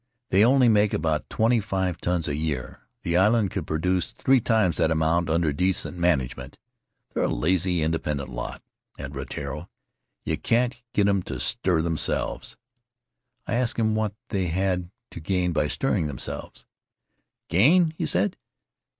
They only make about twenty five tons a year. The island could pro duce three times that amount under decent manage ment. They're a lazy, independent lot, at Rutiaro. You can't get 'em to stir themselves." I asked him what they had to gam by stirring tliem selve>. "Gain?" he said.